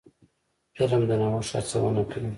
فلم د نوښت هڅونه کوي